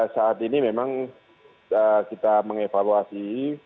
saat ini memang kita mengevaluasi